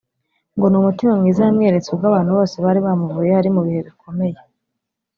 ngo ni umutima mwiza yamweretse ubwo abantu bose bari bamuvuyeho ari mu bihe bikomeye